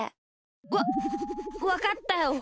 わっわかったよ。